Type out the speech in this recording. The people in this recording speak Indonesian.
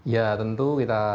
ya tentu kita